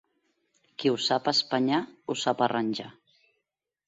Qui ho sap espanyar, ho sap arranjar.